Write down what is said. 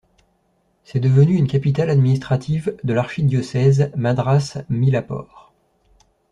C'est devenu une capitale administrative de l'archidiocèse de Madras-Mylapore.